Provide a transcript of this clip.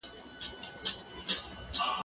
ليک د زده کوونکي له خوا لوستل کيږي.